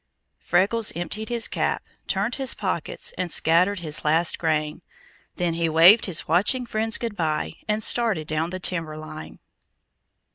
Freckles emptied his cap, turned his pockets and scattered his last grain. Then he waved his watching friends good bye and started down the timber line.